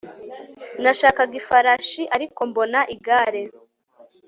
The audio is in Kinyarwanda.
Nashakaga ifarashi ariko mbona igare